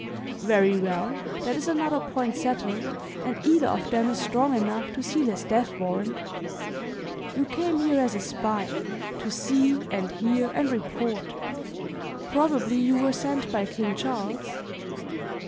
"Very well, that is another point settled, and either of them is strong enough to seal his death warrant. You came here as a spy, to see and hear and report probably you were sent by King Charles?"